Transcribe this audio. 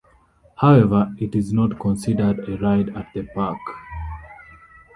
However, it is not considered a ride at the park.